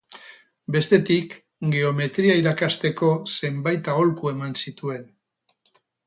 Bestetik, geometria irakasteko zenbait aholku eman zituen.